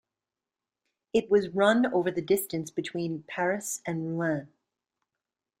It was run over the distance between Paris and Rouen.